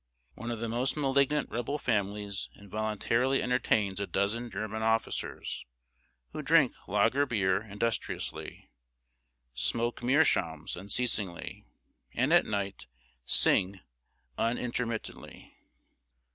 One of the most malignant Rebel families involuntarily entertains a dozen German officers, who drink lager beer industriously, smoke meerschaums unceasingly, and at night sing unintermittently.